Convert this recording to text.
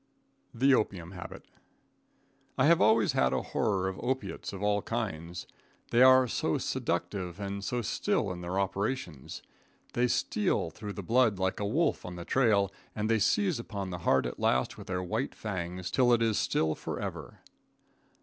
The Opium Habit. I have always had a horror of opiates of all kinds. They are so seductive and so still in their operations. They steal through the blood like a wolf on the trail, and they seize upon the heart at last with their white fangs till it is still forever.